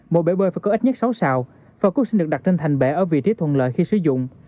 một bể bơi phải có ít nhất sáu xào và cứu sinh được đặt trên thành bể ở vị trí thuận lời khi sử dụng